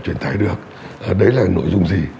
truyền tải được đấy là nội dung gì